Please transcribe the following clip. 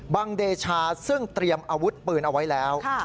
เดชาซึ่งเตรียมอาวุธปืนเอาไว้แล้ว